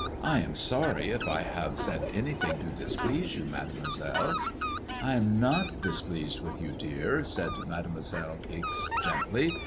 I am sorry if I have said anything to displease you, Mademoiselle." ''I am not displeased with you, dear," said Mademoiselle Ixe, gently.